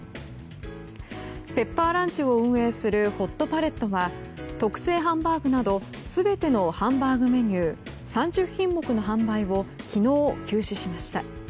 ペッパーランチを運営するホットパレットは特製ハンバーグなど全てのハンバーグメニュー３０品目の販売を昨日、休止しました。